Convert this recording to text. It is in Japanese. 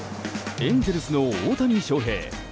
エンゼルスの大谷翔平。